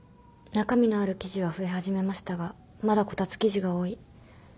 中身のある記事は増え始めましたがまだこたつ記事が多い。